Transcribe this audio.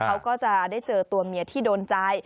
เขาก็จะได้เจอตัวเมียที่โดนใจ